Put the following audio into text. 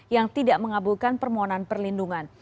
yang tidak mengabulkan permohonan perlindungan